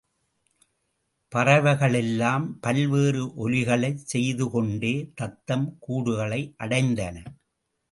பறவைகளெல்லாம் பல்வேறு ஒலிகளைச் செய்து கொண்டே தத்தம் கூடுகளை அடைந்தன.